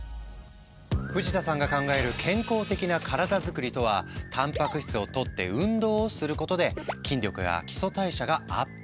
藤田さんが考える健康的な体づくりとはたんぱく質をとって運動をすることで筋力や基礎代謝がアップ。